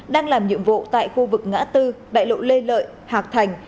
đang làm nhiệm vụ tại khu vực ngã tư đại lộ lê lợi hạc thành